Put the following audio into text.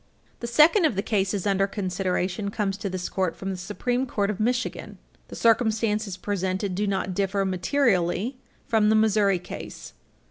The second of the cases under consideration comes to this Court from the Supreme Court of Michigan. The circumstances presented do not differ materially from the Missouri case.